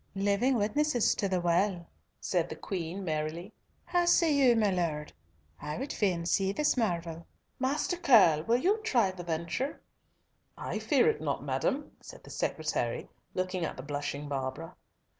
"Living witnesses to the Well," said the Queen merrily. "How say you, my Lord? I would fain see this marvel. Master Curll, will you try the venture?" "I fear it not, madam," said the secretary, looking at the blushing Barbara.